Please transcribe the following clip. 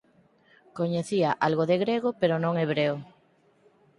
Coñecía algo de grego pero non hebreo.